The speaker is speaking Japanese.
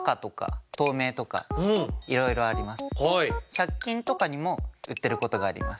１００均とかにも売ってることがあります。